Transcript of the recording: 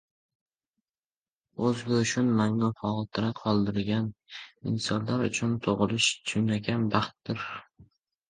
O‘zgushn mangu xotira qoldiradigan insonlar uchun tug‘ilish chinakam baxtdir.